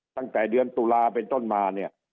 ตั้งแต่เดือนตุลาเป็นต้นมาเนี่ย